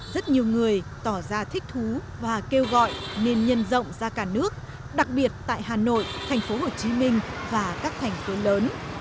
rất nhiều người tỏ ra thích thú và kêu gọi nên nhân rộng ra cả nước đặc biệt tại hà nội thành phố hồ chí minh và các thành phố lớn